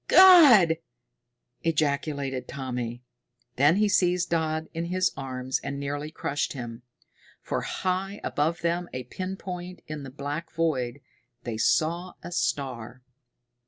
"God!" ejaculated Tommy. Then he seized Dodd in his arms and nearly crushed him. For high above them, a pin point in the black void, they saw a star!